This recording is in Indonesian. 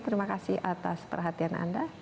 terima kasih atas perhatian anda